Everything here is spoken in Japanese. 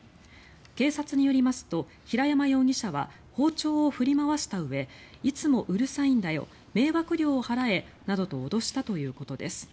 警察によりますと平山容疑者は包丁を振り回したうえいつもうるさいんだよ迷惑料払えなどと脅したということです。